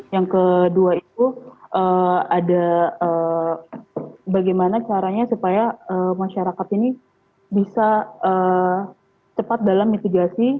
yang kedua itu ada bagaimana caranya supaya masyarakat ini bisa cepat dalam mitigasi